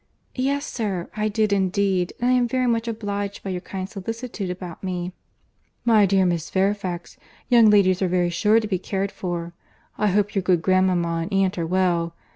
"Yes, sir, I did indeed; and I am very much obliged by your kind solicitude about me." "My dear Miss Fairfax, young ladies are very sure to be cared for.—I hope your good grand mama and aunt are well.